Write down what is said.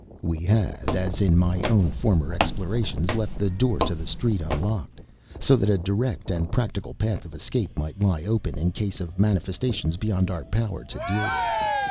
We had, as in my own former explorations, left the door to the street unlocked; so that a direct and practical path of escape might lie open in case of manifestations beyond our power to deal with.